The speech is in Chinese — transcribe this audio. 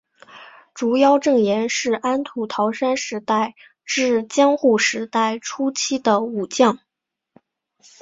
竹腰正信是安土桃山时代至江户时代初期的武将。